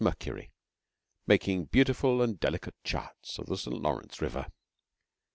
Mercury, making beautiful and delicate charts of the St. Lawrence River.